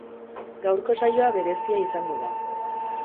Gaurko saioa berezia izango da.